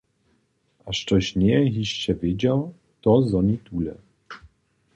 A štož njeje hišće wědźał, to zhoni tule.